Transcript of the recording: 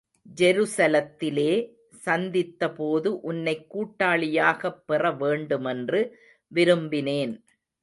ஜெருசலத்திலே சந்தித்தபோது உன்னைக் கூட்டாளியாகப் பெற வேண்டுமென்று விரும்பினேன்.